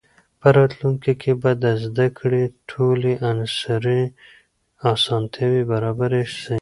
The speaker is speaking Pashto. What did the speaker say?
په راتلونکي کې به د زده کړې ټولې عصري اسانتیاوې برابرې سي.